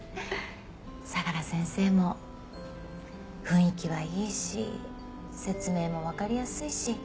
相良先生も雰囲気はいいし説明もわかりやすいし。